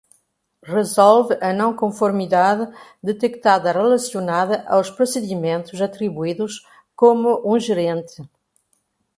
Resolve a não conformidade detectada relacionada aos procedimentos atribuídos como um gerente.